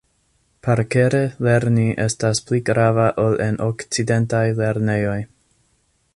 Parkere lerni estas pli grava ol en okcidentaj lernejoj.